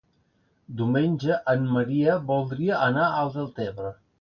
Diumenge en Maria voldria anar a Deltebre.